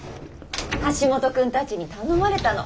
橋本君たちに頼まれたの。